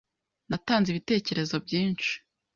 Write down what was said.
Natanze ibitekerezo byinshi.